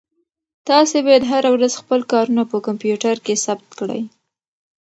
تاسو باید هره ورځ خپل کارونه په کمپیوټر کې ثبت کړئ.